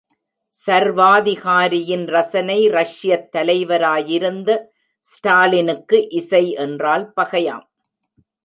சர்வாதிகாரியின் ரசனை ரஷ்யத் தலைவராயிருந்த ஸ்டாலினுக்கு இசை என்றால் பகையாம்.